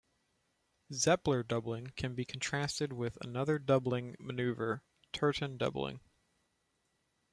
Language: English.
Zepler doubling can be contrasted with another doubling manoeuvre, Turton doubling.